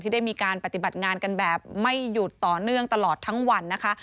ได้มีการปฏิบัติงานกันแบบไม่หยุดต่อเนื่องตลอดทั้งวันนะคะ